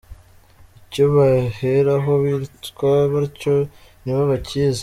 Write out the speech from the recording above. Icyo baheraho bitwa batyo nibo bakizi.